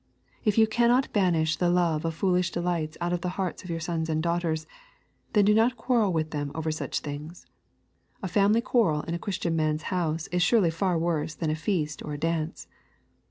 If you cannot banish the love of foolish delights out the hearts of your sons and daughters, then do not quarrel with them over such things; a family quarrel in a Christian man's house is surely far worse than a feast or a dance.